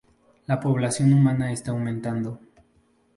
La población humana está aumentando.